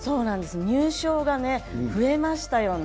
入賞が増えましたよね。